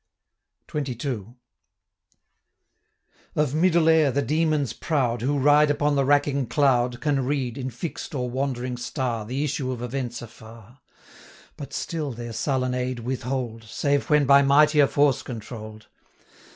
XXII. '"Of middle air the demons proud, Who ride upon the racking cloud, 395 Can read, in fix'd or wandering star, The issue of events afar; But still their sullen aid withhold, Save when by mightier force controll'd.